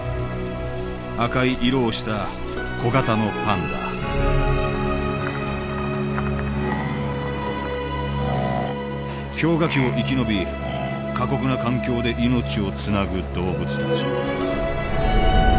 赤い色をした小型のパンダ氷河期を生き延び過酷な環境で命をつなぐ動物たち